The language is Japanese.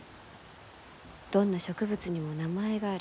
どんな植物にも名前がある。